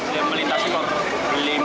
dan melintasi ke koridor lima